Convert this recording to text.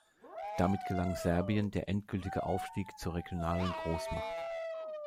Damit gelang Serbien der endgültige Aufstieg zur regionalen Großmacht.